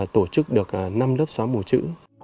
tổ chức được năm lớp xóa mù chữ